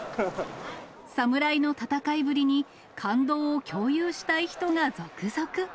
侍の戦いぶりに、感動を共有したい人が続々。